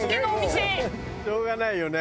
しょうがないよね。